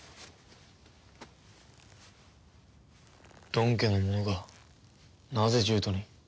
ドン家の者がなぜ獣人に？